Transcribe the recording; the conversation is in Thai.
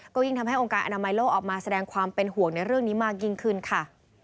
ก็ยิ่งทำให้องค์การอนามัยโลกออกมาแสดงความเป็นห่วงในเรื่องนี้มากยิ่งขึ้นค่ะ